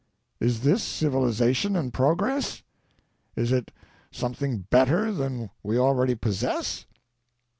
Is this Civilization and Progress? Is it something better than we already possess